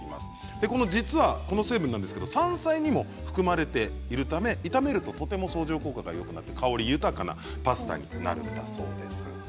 実はこの成分なんですけど山菜にも含まれているため炒めるととても相乗効果がよくなって香り豊かなパスタになるんだそうです。